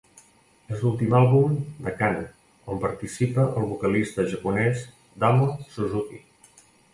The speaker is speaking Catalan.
És l'últim àlbum de Can on participa el vocalista japonès Damo Suzuki.